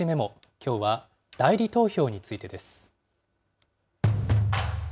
きょうは代理投票についてです。